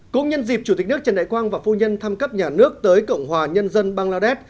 cũng nhân dịp chủ tịch nước trần đại quang và phu nhân thăm cấp nhà nước tới cộng hòa nhân dân bangladesh